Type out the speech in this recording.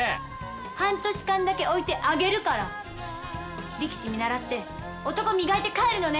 半年間だけ置いてあげるから力士見習って男磨いて帰るのね。